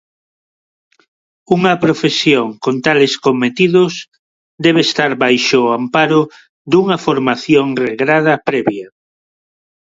Unha profesión con tales cometidos, debe estar baixo o amparo dunha formación regrada previa.